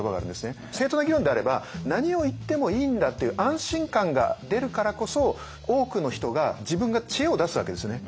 正当な議論であれば何を言ってもいいんだっていう安心感が出るからこそ多くの人が自分が知恵を出すわけですね。